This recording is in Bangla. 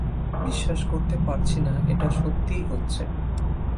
বিশ্বাস করতে পারছি না এটা সত্যিই হচ্ছে।